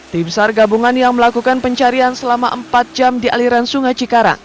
tim sar gabungan yang melakukan pencarian selama empat jam di aliran sungai cikarang